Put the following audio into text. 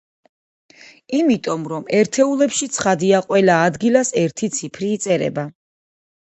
იმიტომ, რომ ერთეულებში ცხადია, ყველა ადგილას ერთი ციფრი იწერება.